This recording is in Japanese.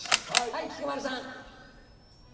はい菊丸さん。